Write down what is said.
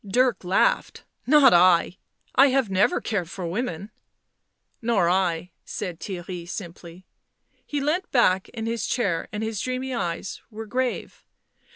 Dirk laughed. "Not I. I have never cared for women." "Nor I," said Theirry simply ; he leant back in his chair and his dreamy eyes were grave.